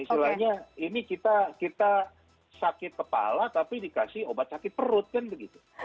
istilahnya ini kita sakit kepala tapi dikasih obat sakit perut kan begitu